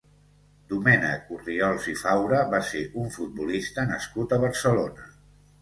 Domènec Orriols i Faura va ser un futbolista nascut a Barcelona.